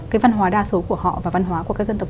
cái văn hóa đa số của họ và văn hóa của các dân tộc